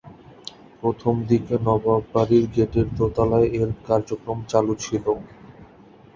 প্রথমদিকে নবাব বাড়ীর গেটের দোতালায় এর কার্যক্রম চালু ছিল।